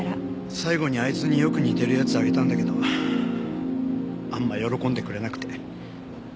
最後にあいつによく似てるやつあげたんだけどあんま喜んでくれなくて。